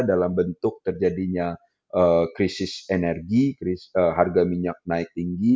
dalam bentuk terjadinya krisis energi harga minyak naik tinggi